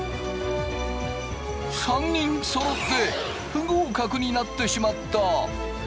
３人そろって不合格になってしまった。